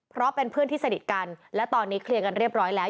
เพราะเป็นเพื่อนที่สนิทกันและตอนนี้เคลียร์กันเรียบร้อยแล้ว